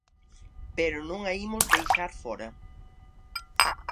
Pero non a imos deixar fóra.